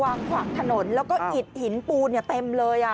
วางขวางถนนแล้วก็อิ่ดหินปูเนี่ยเต็มเลย